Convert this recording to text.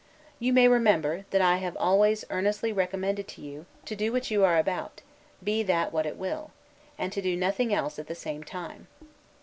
You may remember, that I have always earnestly recommended to you, to do what you are about, be that what it will; and to do nothing else at the same time.